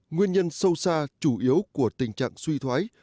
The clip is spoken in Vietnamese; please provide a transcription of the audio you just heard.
nguyên nhân sâu xa chủ yếu của tình trạng suy thoái